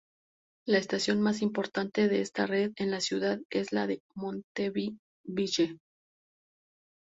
La estación más importante de esta red en la ciudad es la de "Monthey-Ville".